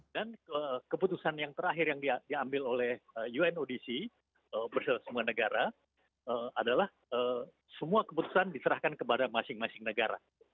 dan keputusan yang terakhir yang diambil oleh unodc bersama semua negara adalah semua keputusan diserahkan kepada masing masing negara